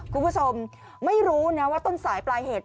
คุณผู้ชมไม่รู้นะว่าต้นสายปลายเหตุ